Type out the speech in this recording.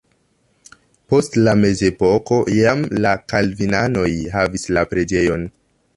Post la mezepoko jam la kalvinanoj havis la preĝejon.